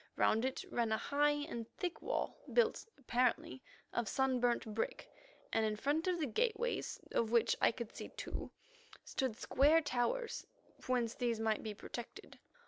Round it ran a high and thick wall, built, apparently, of sun burnt brick, and in front of the gateways, of which I could see two, stood square towers whence these might be protected.